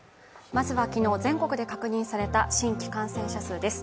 まずは昨日、全国で確認された新規感染者数です。